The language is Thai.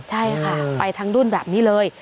ใช่ค่ะไปทั้งรุ่นแบบนี้เลย